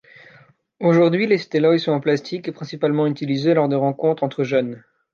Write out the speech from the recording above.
Aujourd'hui, les steloj sont en plastique et principalement utilisés lors de rencontres entre jeunes.